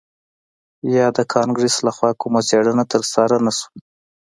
یا د کانګرس لخوا کومه څیړنه ترسره نه شوه